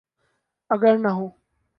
اگر نہ ہوں۔